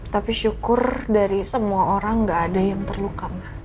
tapi syukur dari semua orang gak ada yang terluka